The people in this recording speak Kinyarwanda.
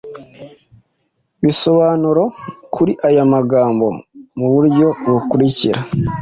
bisobanuro kuri aya magambo, mu buryo bukurikira.